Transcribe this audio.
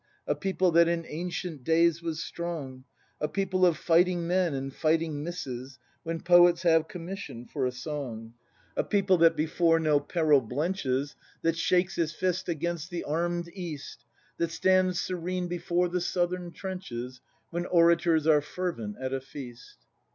A people that in ancient days was strong, A people of fighting men and fighting misses, — When poets have commission for a song; 1 vv. 34 41. 6 BRAND A people that before no peril blenches, That shakes its fist against the armed East, That stands serene before the Southern trenches — When orators are fervent at a feast."